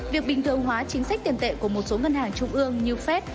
việc bình thường hóa chính sách tiền tệ của một số ngân hàng trung ương như fed